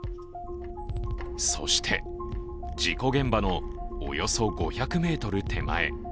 そして、事故現場のおよそ５００ｍ手前。